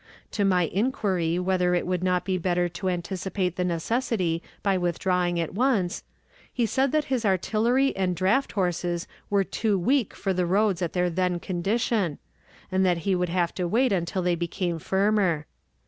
To my inquiry whether it would not be better to anticipate the necessity by withdrawing at once, he said that his artillery and draught horses were too weak for the roads in their then condition, and that he would have to wait until they became firmer.